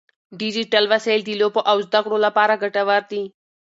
ډیجیټل وسایل د لوبو او زده کړو لپاره ګټور دي.